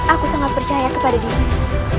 aku sangat percaya kepada dirimu